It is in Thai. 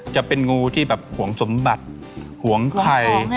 จะเป็นงูที่แบบห่วงสมบัติห่วงใคร